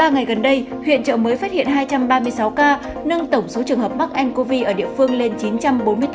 ba ngày gần đây huyện trợ mới phát hiện hai trăm ba mươi sáu ca nâng tổng số trường hợp mắc ncov ở địa phương lên chín trăm bốn mươi tám ca